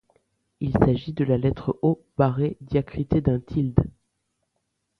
Il s’agit de la lettre O barré diacritée d'un tilde.